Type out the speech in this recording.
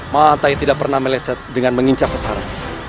mata yang tidak pernah meleset dengan mengincah sesara